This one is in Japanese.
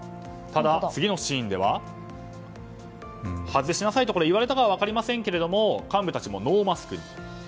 ただ、次のシーンでは外しなさいと言われたかは分かりませんけども幹部たちもノーマスクに。